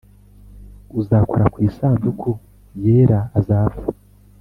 Uzakora kw’ isanduku yera azapfa